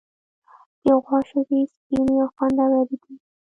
د غوا شیدې سپینې او خوندورې دي.